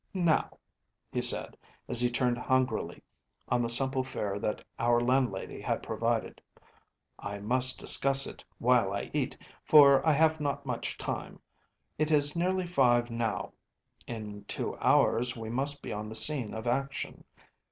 Now,‚ÄĚ he said as he turned hungrily on the simple fare that our landlady had provided, “I must discuss it while I eat, for I have not much time. It is nearly five now. In two hours we must be on the scene of action.